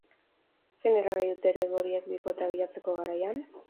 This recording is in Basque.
Zein eragin dute eredu horiek bikotea bilatzeko garaian?